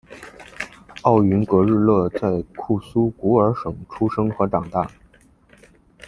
奥云格日勒在库苏古尔省出生和长大。